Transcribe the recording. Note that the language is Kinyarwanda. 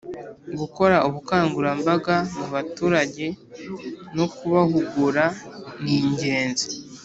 Gukora ubukangurambaga mu baturage no kubahugura ningenzi